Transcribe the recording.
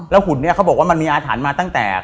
แล้วหุ่นเขาบอกว่ามันมีอาฐานมาตั้งแต่